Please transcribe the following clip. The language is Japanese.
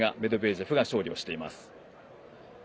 ジェフが勝利をしています。